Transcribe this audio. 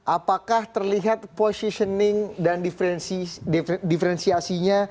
apakah terlihat positioning dan diferensiasinya